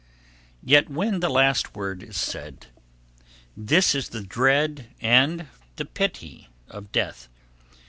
Yet, when the last word is said, this is the dread and the pity of death.